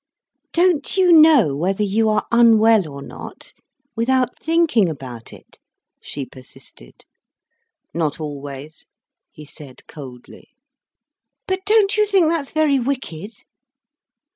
"Don't you know whether you are unwell or not, without thinking about it?" she persisted. "Not always," he said coldly. "But don't you think that's very wicked?"